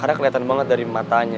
karena keliatan banget dari matanya